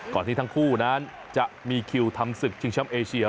ที่ทั้งคู่นั้นจะมีคิวทำศึกชิงช้ำเอเชีย